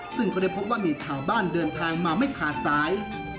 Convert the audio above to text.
ซึ่งก็ได้พบว่ามีชาวบ้านเดินทางมาไม่ขาดสาย